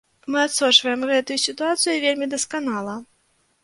Мы адсочваем гэтую сітуацыю вельмі дасканала.